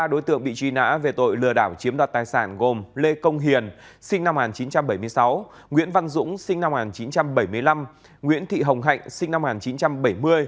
ba đối tượng bị truy nã về tội lừa đảo chiếm đoạt tài sản gồm lê công hiền sinh năm một nghìn chín trăm bảy mươi sáu nguyễn văn dũng sinh năm một nghìn chín trăm bảy mươi năm nguyễn thị hồng hạnh sinh năm một nghìn chín trăm bảy mươi